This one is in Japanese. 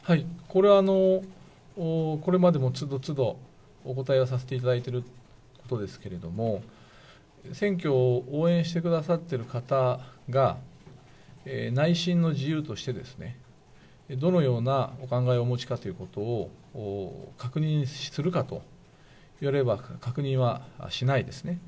これは、これまでもつどつどお答えをさせていただいていることですけれども、選挙を応援してくださってる方が、内心の自由として、どのようなお考えをお持ちかということを確認するかと言われれば、確認はしないですね。